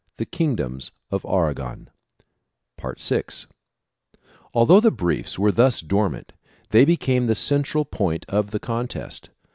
280 THE KINGDOMS OF AEAOON [Boon I Although the briefs were thus dormant they became the cen tral point of the contest.